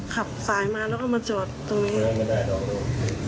ขับสายมาแล้วก็มาจอดตรงนี้